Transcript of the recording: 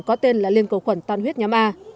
có tên là liên cầu khuẩn tan huyết nhóm a